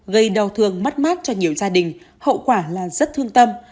gây đau thương mất mát cho nhiều gia đình hậu quả là rất thương tâm